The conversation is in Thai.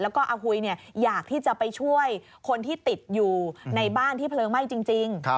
แล้วก็อาหุยอยากที่จะไปช่วยคนที่ติดอยู่ในบ้านที่เพลิงไหม้จริง